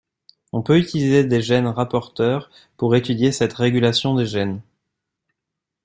On peut utiliser des gènes rapporteurs pour étudier cette régulation des gènes.